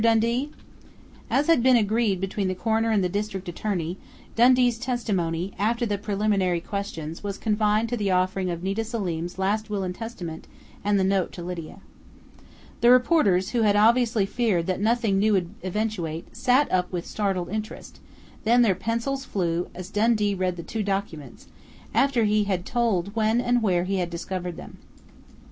Dundee!" As had been agreed between the coroner and the district attorney, Dundee's testimony, after the preliminary questions, was confined to the offering of Nita Selim's "last will and testament" and the note to Lydia. The reporters, who had obviously feared that nothing new would eventuate, sat up with startled interest, then their pencils flew, as Dundee read the two documents, after he had told when and where he had discovered them.